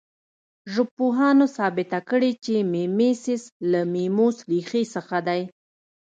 ژبپوهانو ثابته کړې چې میمیسیس له میموس ریښې څخه دی